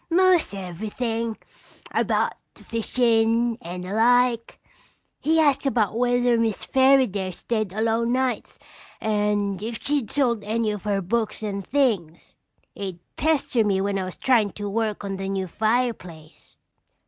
"Most everything. About the fishin' and the like. He asked about whether Miss Fairaday stayed alone nights and if she'd sold any of her books and things. He'd pester me when I was tryin' to work on the new fireplace.